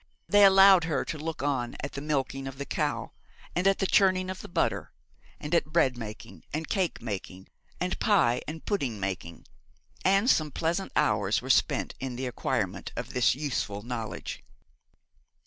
They allowed her to look on at the milking of the cow, and at the churning of the butter; and at bread making, and cake making, and pie and pudding making; and some pleasant hours were spent in the acquirement of this useful knowledge.